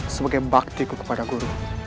sebagai bakti ku kepada guru